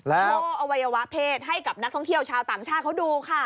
โชว์อวัยวะเพศให้กับนักท่องเที่ยวชาวต่างชาติเขาดูค่ะ